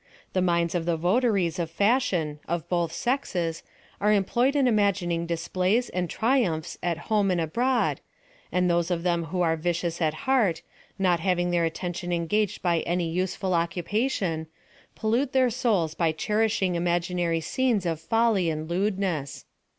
The minds of the votaries of fash ion, of both sexes, are employed in imagining dis plays and triumphs at home and abroad, and those of them who are vicious at heart, not having their attention engaged by any useful occupation, pollute their souls by cherishing imaginary scenes of folly and lewdness.